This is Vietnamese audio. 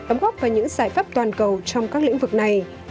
ấm góp vào những giải pháp toàn cầu trong các lĩnh vực này